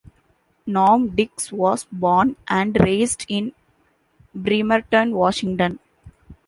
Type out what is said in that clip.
Norm Dicks was born and raised in Bremerton, Washington.